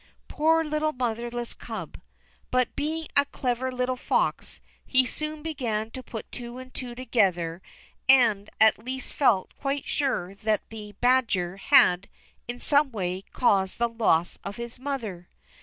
Poor little motherless Cub! But, being a clever little fox, he soon began to put two and two together, and at last felt quite sure that the badger had, in some way, caused the loss of his mother.